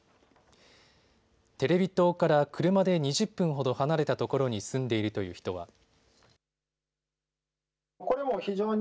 テレビ塔から車で２０分ほど離れたところに住んでいるという人は。